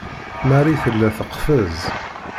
Marie tella teqfez.